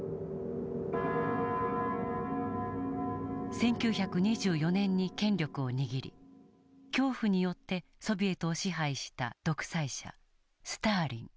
１９２４年に権力を握り恐怖によってソビエトを支配した独裁者スターリン。